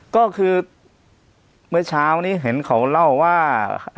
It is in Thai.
ก็คือเมื่อเช้านี้เห็นเขาเล่าว่า